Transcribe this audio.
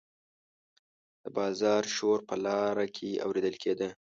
د بازار شور په لاره کې اوریدل کیده.